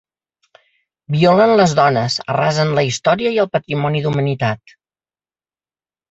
Violen les dones, arrasen la història i el patrimoni d’humanitat.